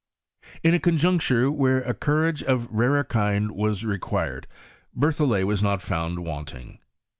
In a conjuncture where a courage of a rarer kind was required, Berthollet was not found wanting.